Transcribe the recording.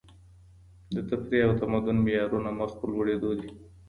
د تفريح او تمدن معيارونه مخ په لوړېدو دي.